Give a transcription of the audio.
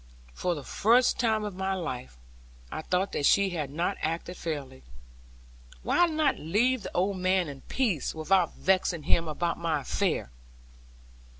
For the first time of my life, I thought that she had not acted fairly. Why not leave the old man in peace, without vexing him about my affair?